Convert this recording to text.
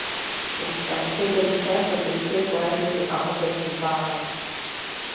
Povstalci byli v této bitvě poraženi a obec vypálena.